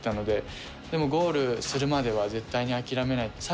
でも、ゴールするまでは絶対に諦めない。